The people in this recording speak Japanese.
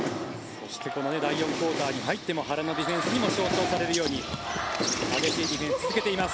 そしてこの第４クオーターに入っても原のディフェンスにも象徴されるように激しいディフェンスを続けています。